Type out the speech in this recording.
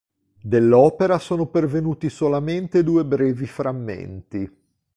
Dell'opera sono pervenuti solamente due brevi frammenti.